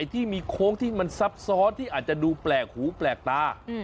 ที่มีโค้งที่มันซับซ้อนที่อาจจะดูแปลกหูแปลกตา